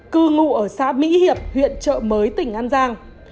cư ngụ ở xã mỹ hiệp huyện trợ mới tỉnh an giang